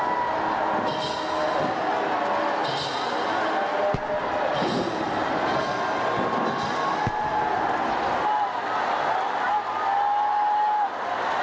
โอ้มัสดีครับ